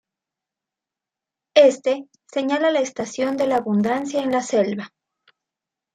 Éste señala la estación de la abundancia en la selva.